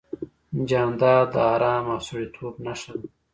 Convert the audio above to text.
جانداد د ارام او سړیتوب نښه ده.